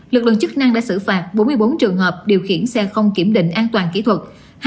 lực lượng chức năng đã xử phạt bốn mươi bốn trường hợp điều khiển xe không kiểm định an toàn kỹ thuật